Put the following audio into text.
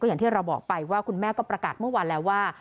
อย่างที่เราบอกไปว่าคุณแม่ก็ประกาศเมื่อวานแล้วว่า